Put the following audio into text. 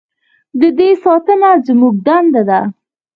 د دې ساتنه زموږ دنده ده